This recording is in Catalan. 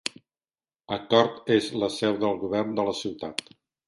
Accord és la seu del govern de la ciutat.